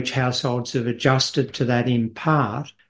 cara keluarga yang menyesuaikan itu